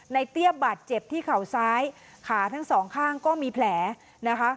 เตี้ยบาดเจ็บที่เข่าซ้ายขาทั้งสองข้างก็มีแผลนะคะ